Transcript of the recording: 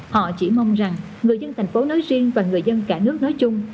họ chỉ mong rằng người dân thành phố nói riêng và người dân cả nước nói chung